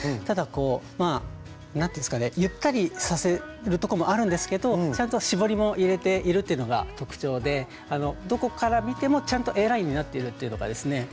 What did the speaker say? ただこう何ていうんですかねゆったりさせるとこもあるんですけどちゃんと絞りも入れているというのが特徴でどこから見てもちゃんとＡラインになっているっていうのがですね